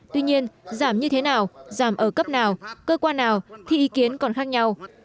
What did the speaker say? tuy nhiên giảm như thế nào giảm ở cấp nào cơ quan nào thì ý kiến còn khác nhau